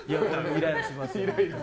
イライラしますよ。